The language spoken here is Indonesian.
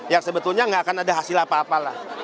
yang sebetulnya tidak akan ada hasil apa apa